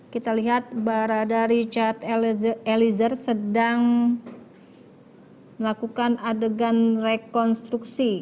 kita lihat barada richard eliezer sedang melakukan adegan rekonstruksi